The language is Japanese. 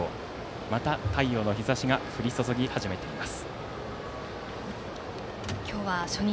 また太陽の日ざしが降り注ぎ始めています。